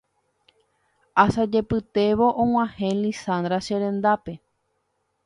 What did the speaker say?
Asajepytévo og̃uahẽ Lizandra cherendápe